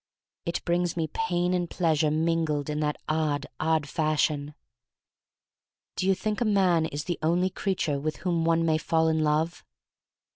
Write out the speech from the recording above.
It brings me pain and pleasure mingled in that odd, odd fashion. Do you think a man is the only crea ture with whom one may fall in love?